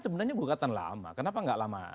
sebenarnya buku katan lama kenapa gak lama